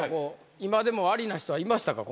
今でもありな人はいましたか？